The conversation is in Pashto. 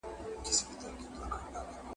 خدا زده چا کاروان سالار دی تېر ایستلی ,